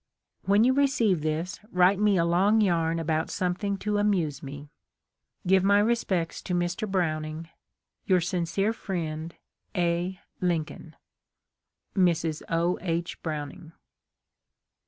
" When you receive this, write me a long yarn about something to amuse me. Give my respects to Mr. Browning. " Your sincere friend, " A. Lincoln." Mrs. O. H. Browning.